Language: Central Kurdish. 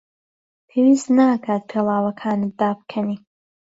پێویست ناکات پێڵاوەکانت دابکەنی.